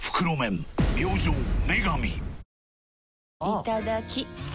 いただきっ！